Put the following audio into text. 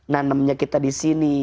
nanamnya kita disini